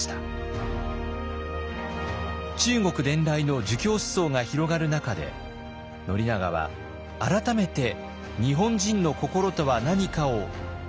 中国伝来の儒教思想が広がる中で宣長は改めて日本人の心とは何かを問い直したのです。